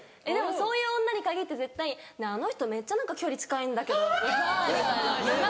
そういう女に限って絶対「あの人めっちゃ距離近いんだけど。うざい」みたいな。